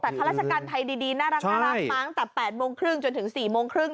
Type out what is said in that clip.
แต่ข้าราชการไทยดีน่ารักมาตั้งแต่๘โมงครึ่งจนถึง๔โมงครึ่ง